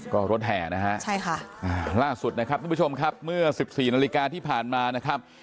ก็รถแห่นะฮะใช่ค่ะล่าสุดนะครับทุกผู้ชมครับเมื่อ๑๔นาฬิกาที่ผ่านมานะครับ